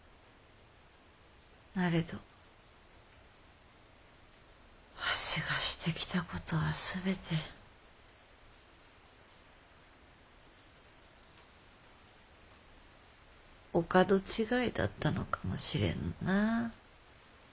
なれどわしがしてきたことは全てお門違いだったのかもしれぬな。